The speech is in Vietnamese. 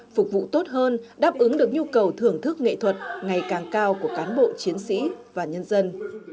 phục vụ tốt hơn đáp ứng được nhu cầu thưởng thức nghệ thuật ngày càng cao của cán bộ chiến sĩ và nhân dân